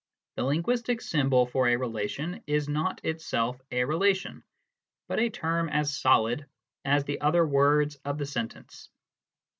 The linguistic symbol for a relation is not itself a relation, but a term as solid as the other words of the sentence.